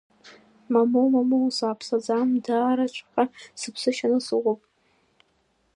Мамоу, мамоу, сааԥсаӡам, даараҵәҟьа сыԥсы шьаны сыҟоуп.